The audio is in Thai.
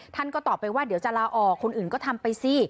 ท่านก็ตอบไปว่าเดี๋ยวจะลาออกคนอื่นก็ทำไปสิ